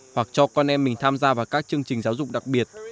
hoặc cho con em mình tham gia vào các chương trình giáo dục đặc biệt